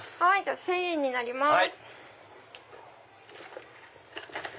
１０００円になります。